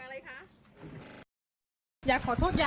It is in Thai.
อ่ามันมาจากอะไรคะ